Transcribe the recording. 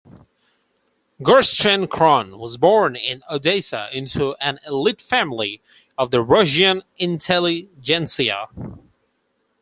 Gerschenkron was born in Odessa into an elite family of the Russian intelligentsia.